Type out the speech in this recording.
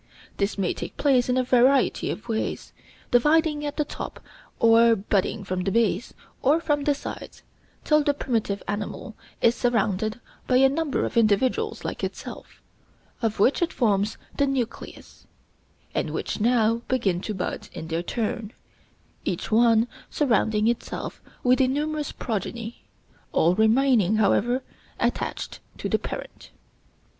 This may take place in a variety of ways, dividing at the top or budding from the base or from the sides, till the primitive animal is surrounded by a number of individuals like itself, of which it forms the nucleus, and which now begin to bud in their turn, each one surrounding itself with a numerous progeny, all remaining, however, attached to the parent.